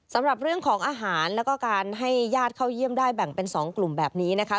สำหรับเรื่องของอาหารแล้วก็การให้ญาติเข้าเยี่ยมได้แบ่งเป็น๒กลุ่มแบบนี้นะคะ